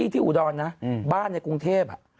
อุดรนะบ้านในกรุงเทพ